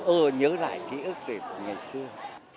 ờ nhớ lại cái ước tìm ngày xưa